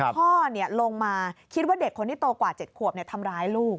พ่อลงมาคิดว่าเด็กคนที่โตกว่า๗ขวบทำร้ายลูก